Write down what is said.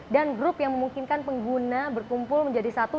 dan grup yang memungkinkan pengguna untuk menggunakan aplikasi islami